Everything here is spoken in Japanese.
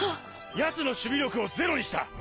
奴の守備力をゼロにした！